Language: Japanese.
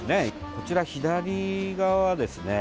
こちら、左側ですね。